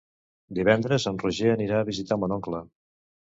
Divendres en Roger anirà a visitar mon oncle.